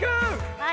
はい。